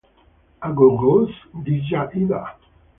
Agho ghose ghicha ida.